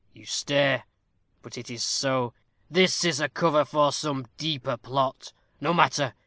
You stare. But it is so. This is a cover for some deeper plot; no matter.